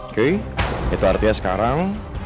oke itu artinya sekarang